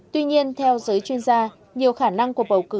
tuy nhiên theo giới chuyên gia nhiều khả năng cuộc bầu cử